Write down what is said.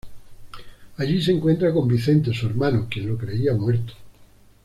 Allí se encuentra con Vicente, su hermano, quien lo creía muerto.